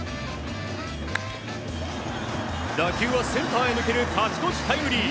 打球はセンターへ抜ける勝ち越しタイムリー。